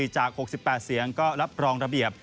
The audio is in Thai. จาก๖๘เสียงก็รับรองระเบียบ